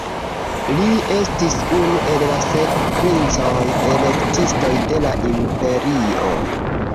Li estis unu el la sep princoj-elektistoj de la imperio.